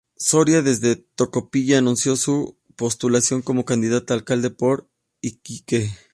Soria, desde Tocopilla anunció su postulación como candidato a alcalde por Iquique.